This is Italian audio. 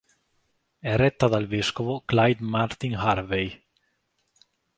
È retta dal vescovo Clyde Martin Harvey.